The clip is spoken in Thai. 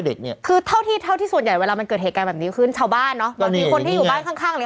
เหมือนอยู่ขึ้นชาวบ้านเนอะมันมีคนที่อยู่บ้านข้างเลย